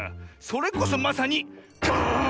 それこそまさに「ガーン！」